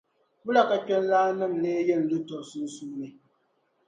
Wula ka kpiɔŋlaannim’ lee yɛn lu tɔb’ sunsuuni?